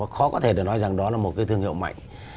khó có thể để nói rằng đó là một cái thương hiệu mạnh